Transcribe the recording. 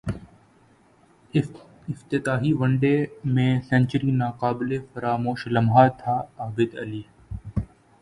افتتاحی one day میں century ناقابل فراموش لمحہ تھاعابدعلی